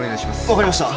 ・分かりました。